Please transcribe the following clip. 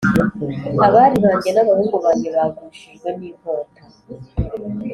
Abari banjye n’abahungu banjye bagushijwe n’inkota.